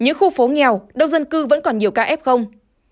những khu phố nghèo đông dân cư vẫn còn nhiều ca ép không